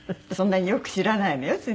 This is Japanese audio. そんなによく知らないのよ。